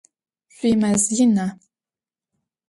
Шъуимэз ина?